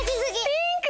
ピンク！